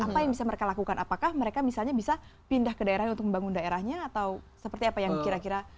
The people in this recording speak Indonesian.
apa yang bisa mereka lakukan apakah mereka misalnya bisa pindah ke daerah untuk membangun daerahnya atau seperti apa yang kira kira